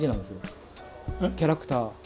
キャラクター。